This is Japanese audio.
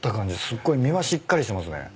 すごい身はしっかりしてますね。